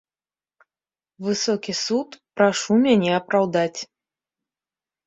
Высокі суд, прашу мяне апраўдаць.